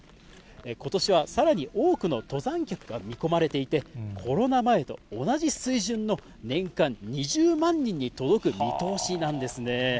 ことしはさらに多くの登山客が見込まれていて、コロナ前と同じ水準の年間２０万人に届く見通しなんですね。